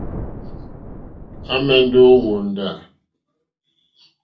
À mɛ̀ndɛ́ ô hwóndá.